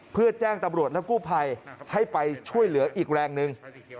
เพื่อแจ้งตำรวจและกู้ภัยให้ไปช่วยเหลืออีกแรงหนึ่ง